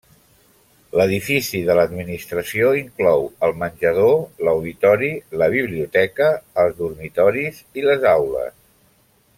L'edifici de l'administració inclou: el menjador, l'auditori, la biblioteca, els dormitoris i les aules.